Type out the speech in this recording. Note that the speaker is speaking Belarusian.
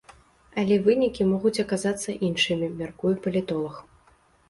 Але вынікі могуць аказацца іншымі, мяркуе палітолаг.